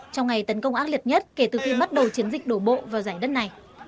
trong ngày tấn công ác liệt nhất kể từ khi bắt đầu chiến dịch đổ bộ vào giải đất này